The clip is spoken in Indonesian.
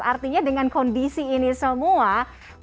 artinya dengan kondisi ini semua